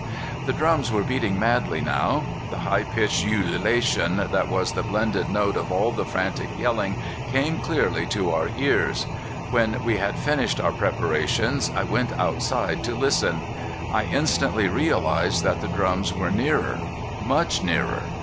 The drums were beating madly now. The high pitched ululation that was the blended note of all the frantic yelling came clearly to our ears. When we had finished our preparations I went outside to listen. I instantly realized that the drums were nearer, much nearer.